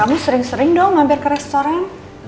kamu sering sering dong mampir ke restoran